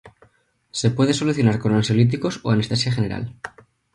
Se puede solucionar con ansiolíticos o anestesia general.